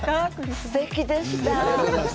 すてきでした。